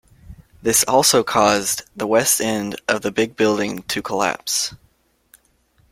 This also caused the west end of the big building to collapse.